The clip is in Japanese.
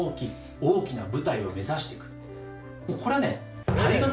もうこれはね